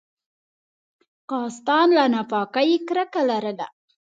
کاستان له ناپاکۍ کرکه لرله.